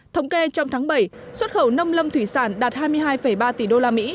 thống kê trong tháng bảy xuất khẩu nông lâm thủy sản đạt hai mươi hai ba tỷ đô la mỹ